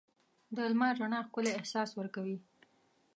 د لمر رڼا ښکلی احساس ورکوي.